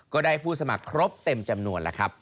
ก็ได้ผู้สมัครครบเต็มจำนวนแล้วครับ